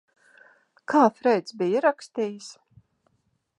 Kā Freids bija rakstījis?